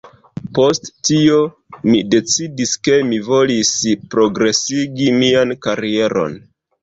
Post tio, mi decidis, ke mi volis progresigi mian karieron